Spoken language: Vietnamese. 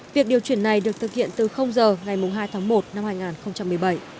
việc điều chuyển này được thực hiện từ giờ ngày hai tháng một năm hai nghìn một mươi bảy